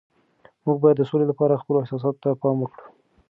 موږ باید د سولي لپاره خپلو احساساتو ته پام وکړو.